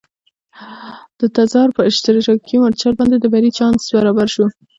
د تزار پر اشتراکي مورچل باندې د بري چانس برابر شو.